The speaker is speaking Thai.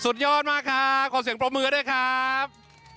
สุดยอดมากครับขอเสียงปรบมือด้วยครับ